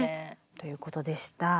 ということでした。